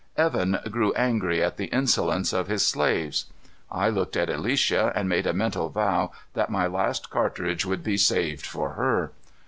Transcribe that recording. Evan grew angry at the insolence of his slaves. I looked at Alicia and made a mental vow that my last cartridge should be saved for her.